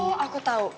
oh aku tau